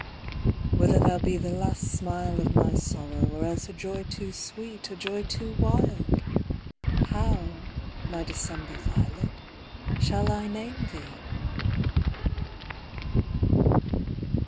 — Whether thou be the last smile of my sorrow, Or else a joy too sweet, a joy too wild ? How, my December violet, shall I name thee